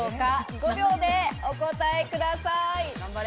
５秒でお答えください。